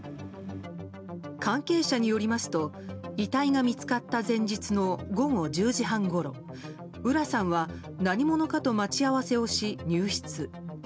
関係者によりますと遺体が見つかった前日の午後１０時半ごろ浦さんは何者かと待ち合わせをし入室。